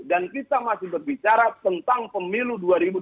dan kita masih berbicara tentang pemilu dua ribu dua puluh empat